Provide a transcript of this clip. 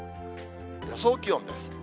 予想気温です。